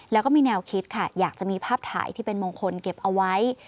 แล้วก็มีแนวคิดค่ะอยากจะมีภาพถ่ายที่เป็นมงคลเก็บเอาไว้